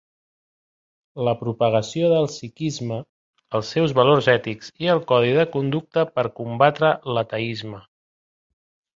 La propagació del Sikhisme, els seus valors ètics i el codi de conducta per combatre l'ateisme.